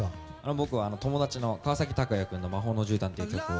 僕は友達の川崎鷹也君の「魔法の絨毯」っていう曲を。